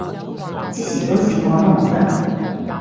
之前都試過都唔得